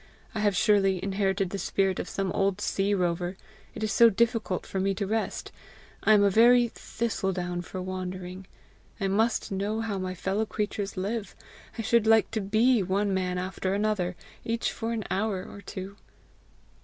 I have surely inherited the spirit of some old sea rover, it is so difficult for me to rest! I am a very thistle down for wandering! I must know how my fellow creatures live! I should like to BE one man after another each for an hour or two!"